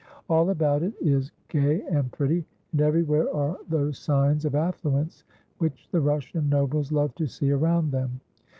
All about it is gay and pretty, and everywhere are those signs of affluence which the Russian nobles love to see around them.